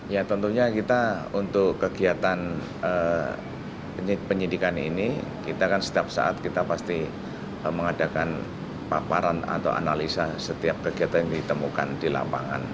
ya tentunya kita untuk kegiatan penyidikan ini kita kan setiap saat kita pasti mengadakan paparan atau analisa setiap kegiatan yang ditemukan di lapangan